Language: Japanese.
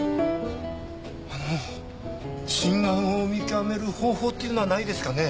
あの真贋を見極める方法っていうのはないですかね？